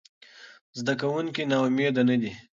زده کوونکي ناامیده نه دي.